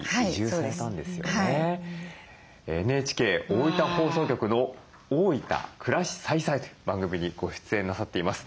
ＮＨＫ大分放送局の「おおいた暮らし彩彩」という番組にご出演なさっています。